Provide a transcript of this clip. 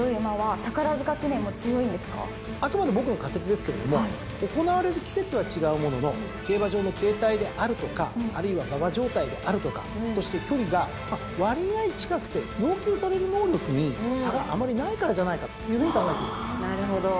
あくまで僕の仮説ですけれども行われる季節は違うものの競馬場の形態であるとかあるいは馬場状態であるとかそして距離が割合近くて要求される能力に差があまりないからじゃないかというふうに考えています。